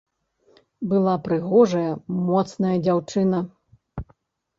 Была прыгожая, моцная дзяўчына.